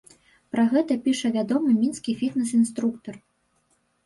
Пра гэта піша вядомы мінскі фітнэс-інструктар.